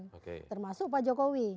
termasuk pak jokowi